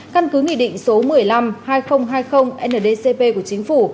căn cứ nghị định số một mươi năm hai nghìn hai mươi ndcp của chính phủ